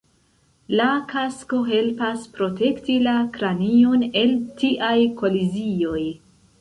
La kasko helpas protekti la kranion el tiaj kolizioj".